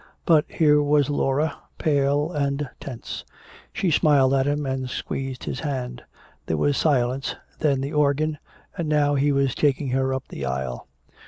But here was Laura, pale and tense. She smiled at him and squeezed his hand. There was silence, then the organ, and now he was taking her up the aisle.